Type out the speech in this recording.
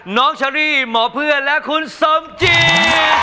เชอรี่หมอเพื่อนและคุณสมจี